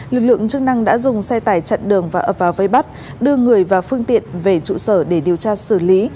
lực lượng chức năng đã dùng xe tải chặn đường và ập vào vây bắt đưa người và phương tiện về trụ sở để điều tra xử lý